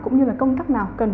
cũng như là công tác nào cần